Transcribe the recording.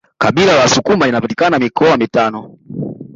Kabila la wasukuma linapatikana mikoa mitano